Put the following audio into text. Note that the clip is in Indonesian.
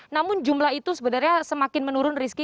namun jumlah itu sebenarnya semakin menurun rizky